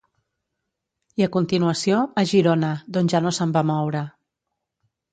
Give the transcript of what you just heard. I a continuació, a Girona, d’on ja no se'n va moure.